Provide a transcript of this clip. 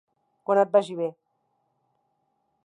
Quan et vagi bé.